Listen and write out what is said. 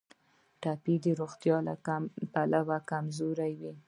ټپي د روغتیا له پلوه کمزوری وي.